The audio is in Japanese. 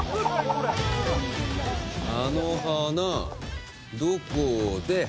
これ「あの花どこで」